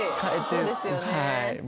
そうですよね。